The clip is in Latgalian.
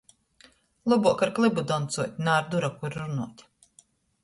Lobuok ar klybu doncuot, na ar duraku runuot.